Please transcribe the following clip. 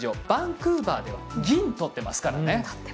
バンクーバーで銀とっていますからね。